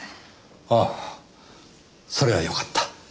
ああそれはよかった。